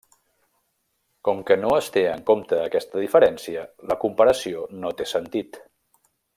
Com que no es té en compte aquesta diferència, la comparació no té sentit.